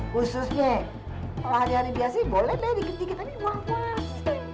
khususnya hari hari biasa boleh deh dikit dikit aja di bulan puas